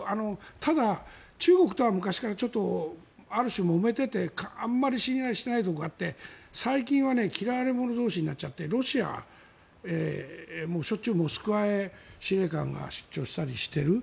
ただ、中国とは昔からある種、もめててあまり信頼していないところがあって最近は嫌われ者同士になっちゃってロシアもしょっちゅうモスクワへ司令官が出張したりしている。